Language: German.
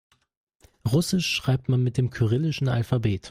Russisch schreibt man mit dem kyrillischen Alphabet.